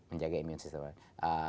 menjaga imun sistem kita